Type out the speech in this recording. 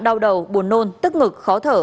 đau đầu buồn nôn tức ngực khó thở